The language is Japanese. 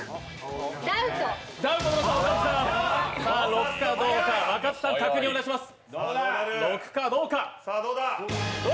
６かどうか、若槻さん確認します。